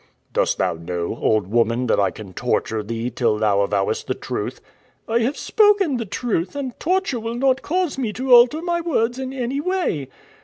"Dost thou know, old woman, that I can torture thee until thou avowest the truth?" "I have spoken the truth, and torture will not cause me to alter my words in any way."